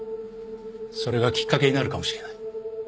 それがきっかけになるかもしれない。